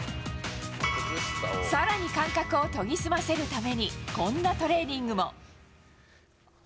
さらに感覚を研ぎ澄ませるために、こんなトレーニングも。